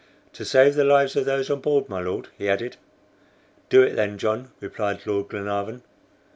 "To save the lives of those on board, my Lord," he added. "Do it then, John," replied Lord Glenarvan.